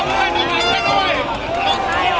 สวัสดีครับทุกคน